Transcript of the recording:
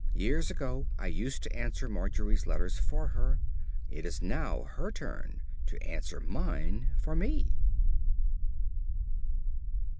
Years ago I used to answer Margery's letter for her. It is now her turn to answer mine for me.